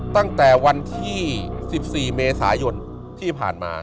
ตั้งแต่วันที่๑๔เมษายนที่ผ่านมา